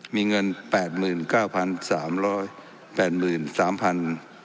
มีเงินแปดหมื่นเก้าพันสามร้อยแปดหมื่นสามพัน